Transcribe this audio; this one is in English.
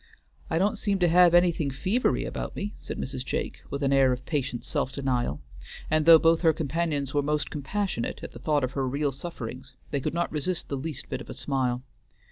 "I don't seem to have anything fevery about me," said Mrs. Jake, with an air of patient self denial; and though both her companions were most compassionate at the thought of her real sufferings, they could not resist the least bit of a smile.